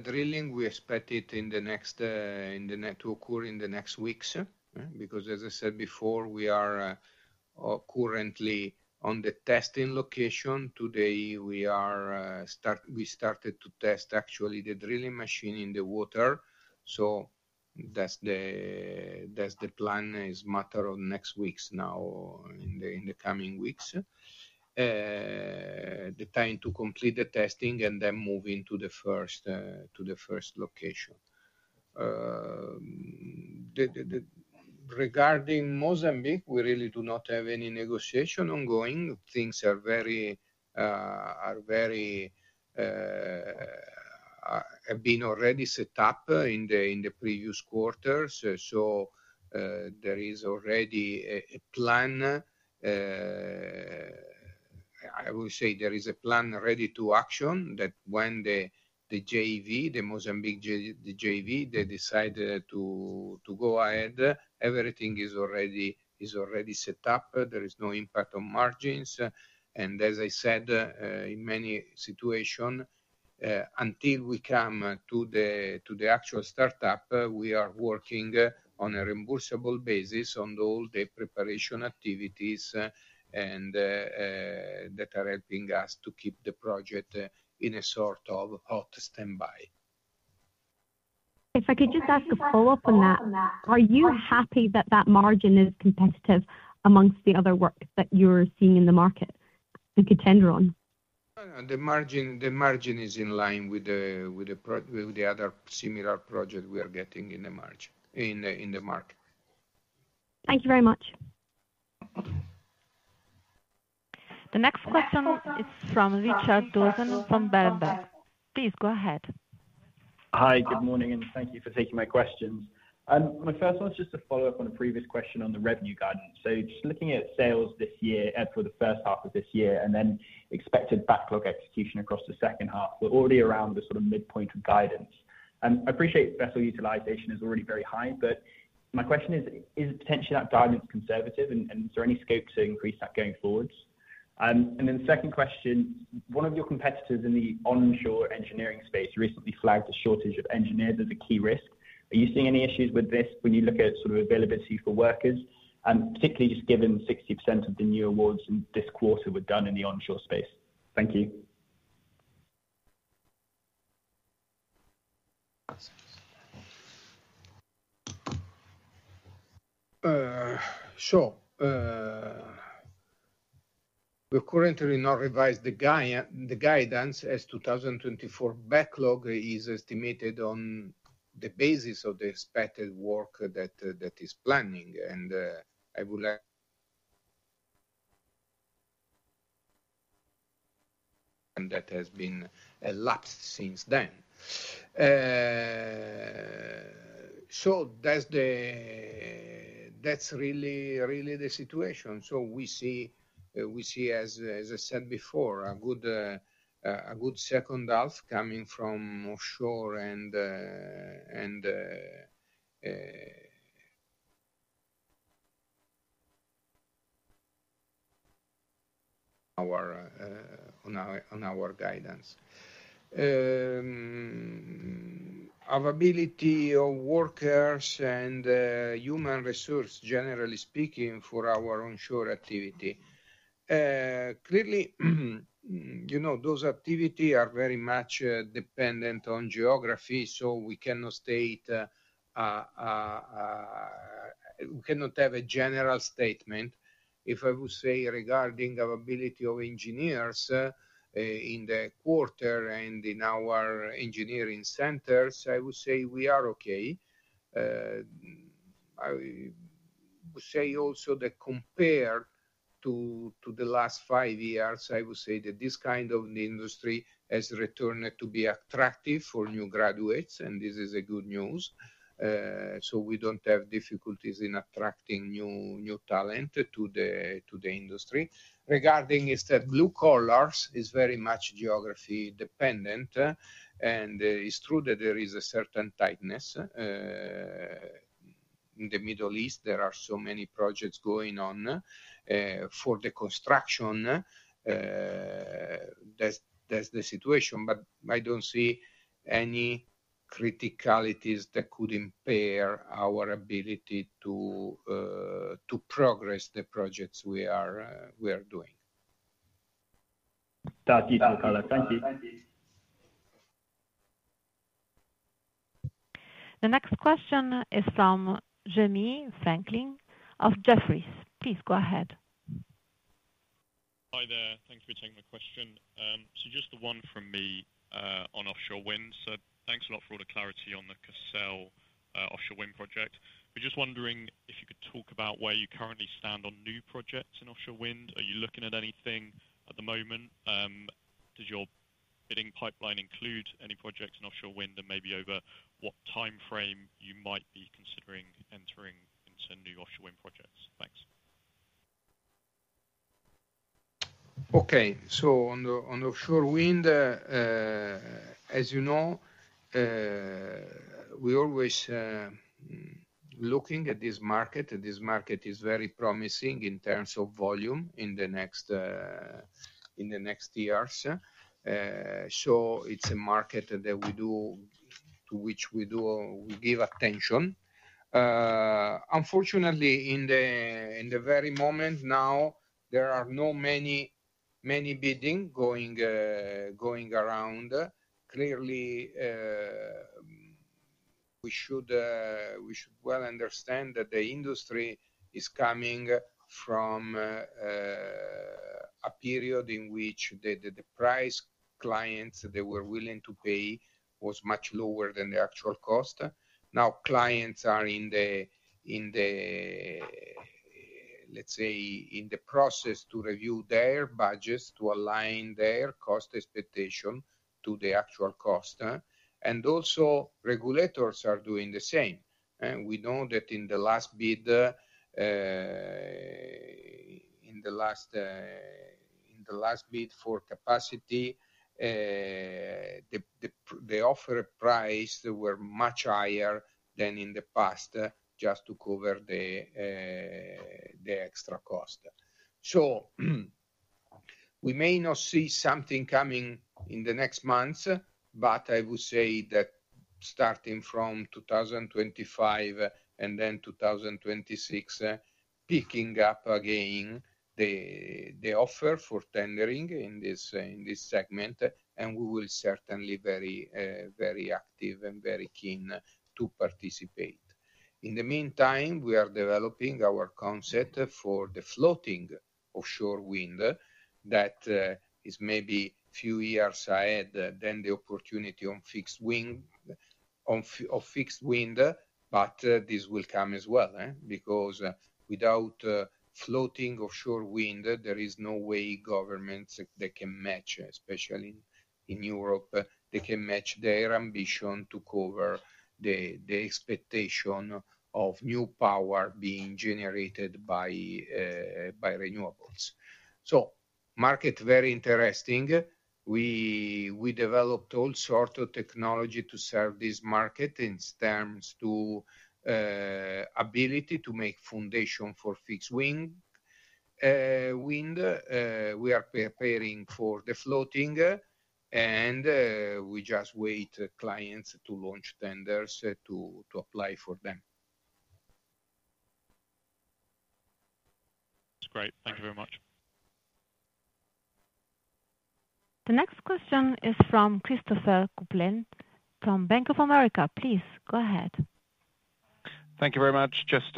drilling, we expect it in the next... To occur in the next weeks, because as I said before, we are currently on the testing location. Today, we started to test actually the drilling machine in the water, so that's the plan, is matter of next weeks now in the coming weeks. The time to complete the testing and then move into the first location. Regarding Mozambique, we really do not have any negotiation ongoing. Things are very have been already set up in the previous quarters. So, there is already a plan. I would say there is a plan ready to action, that when the JV, the Mozambique JV, they decide to go ahead, everything is already set up. There is no impact on margins, and as I said, in many situation, until we come to the actual startup, we are working on a reimbursable basis on all the preparation activities and that are helping us to keep the project in a sort of hot standby. If I could just ask a follow-up on that. Are you happy that that margin is competitive among the other works that you're seeing in the market and could tender on? The margin is in line with the other similar project we are getting in the market. Thank you very much. The next question is from Richard Dawson from Berenberg. Please go ahead. Hi, good morning, and thank you for taking my questions. My first one is just a follow-up on a previous question on the revenue guidance. So just looking at sales this year, for the first half of this year, and then expected backlog execution across the second half, we're already around the sort of midpoint of guidance. And I appreciate vessel utilization is already very high, but my question is: Is potentially that guidance conservative, and is there any scope to increase that going forwards? And then the second question, one of your competitors in the onshore engineering space recently flagged a shortage of engineers as a key risk. Are you seeing any issues with this when you look at sort of availability for workers? And particularly just given 60% of the new awards in this quarter were done in the onshore space. Thank you. So, we're currently not revising the guidance for 2024 backlog is estimated on the basis of the expected work that is planned. And that has been elapsed since then. So that's the, that's really, really the situation. So we see, as I said before, a good second half coming from offshore and on our guidance. Availability of workers and human resources, generally speaking, for our onshore activity. Clearly, you know, those activities are very much dependent on geography, so we cannot state we cannot have a general statement. If I would say regarding availability of engineers in the quarter and in our engineering centers, I would say we are okay. I would say also that compared to, to the last five years, I would say that this kind of an industry has returned to be attractive for new graduates, and this is a good news. So we don't have difficulties in attracting new, new talent to the, to the industry. Regarding instead, blue collars is very much geography dependent, and it's true that there is a certain tightness. In the Middle East, there are so many projects going on, for the construction. That's, that's the situation, but I don't see any criticalities that could impair our ability to, to progress the projects we are, we are doing. Thank you, Nicola. Thank you. The next question is from Jamie Franklin of Jefferies. Please go ahead. Hi there. Thanks for taking the question. So just the one from me, on offshore wind. So thanks a lot for all the clarity on the Courseulles-sur-Mer offshore wind project. We're just wondering if you could talk about where you currently stand on new projects in offshore wind. Are you looking at anything at the moment? Does your bidding pipeline include any projects in offshore wind? And maybe over what time frame you might be considering entering into new offshore wind projects? Thanks. Okay. So on the, on offshore wind, as you know, we always looking at this market. This market is very promising in terms of volume in the next years. So it's a market to which we do, we give attention. Unfortunately, in the very moment now, there are no many, many bidding going, going around. Clearly, we should well understand that the industry is coming from a period in which the price clients, they were willing to pay was much lower than the actual cost. Now, clients are in the, let's say, in the process to review their budgets, to align their cost expectation to the actual cost. And also, regulators are doing the same. We know that in the last bid for capacity, the offered price were much higher than in the past, just to cover the extra cost. So, we may not see something coming in the next months, but I would say that starting from 2025 and then 2026, picking up again the offer for tendering in this segment, and we will certainly very active and very keen to participate. In the meantime, we are developing our concept for the floating offshore wind that is maybe few years ahead than the opportunity on fixed wind, but this will come as well, because without floating offshore wind, there is no way governments they can match, especially in Europe, they can match their ambition to cover the expectation of new power being generated by by renewables. So market, very interesting. We developed all sorts of technology to serve this market in terms to ability to make foundation for fixed wind, wind. We are preparing for the floating, and we just wait clients to launch tenders to apply for them. That's great. Thank you very much. The next question is from Christopher Kuplent from Bank of America. Please go ahead. Thank you very much. Just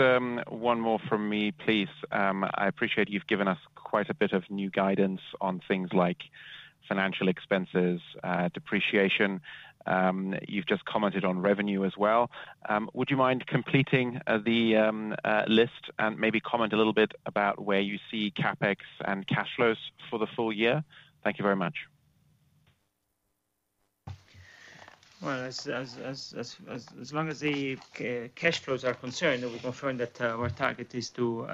one more from me, please. I appreciate you've given us quite a bit of new guidance on things like financial expenses, depreciation. You've just commented on revenue as well. Would you mind completing the list and maybe comment a little bit about where you see CapEx and cash flows for the full year? Thank you very much. Well, as long as the cash flows are concerned, we confirm that our target is to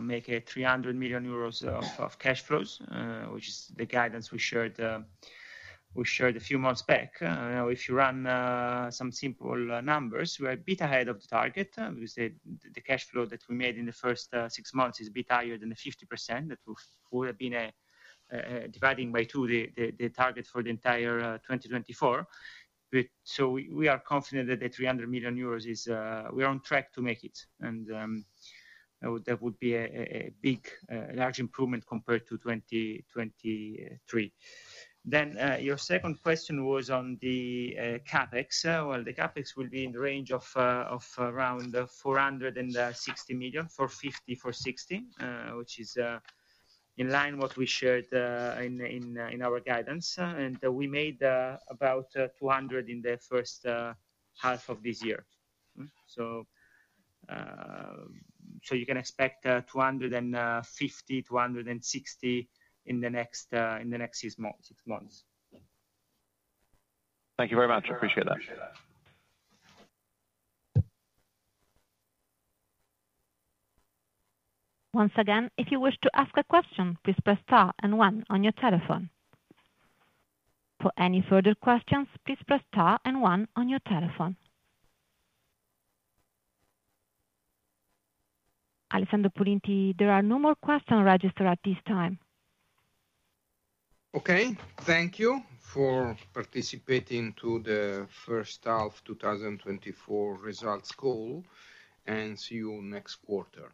make 300 million euros of cash flows, which is the guidance we shared a few months back. If you run some simple numbers, we're a bit ahead of the target. We said the cash flow that we made in the first six months is a bit higher than 50%. That would have been a dividing by two the target for the entire 2024. But we are confident that the 300 million euros is... We're on track to make it, and that would be a big large improvement compared to 2023. Then, your second question was on the CapEx. Well, the CapEx will be in the range of around 450 million-460 million, which is in line with what we shared in our guidance. And we made about 200 million in the first half of this year. So, you can expect 250 million-260 million in the next six months. Thank you very much. I appreciate that. Once again, if you wish to ask a question, please press Star and One on your telephone. For any further questions, please press Star and One on your telephone. Alessandro Puliti, there are no more questions registered at this time. Okay. Thank you for participating to the first half 2024 results call, and see you next quarter.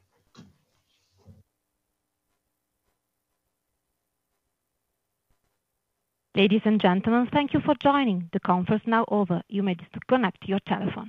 Ladies and gentlemen, thank you for joining. The conference is now over. You may disconnect your telephone.